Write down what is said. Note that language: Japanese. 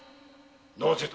なぜだ？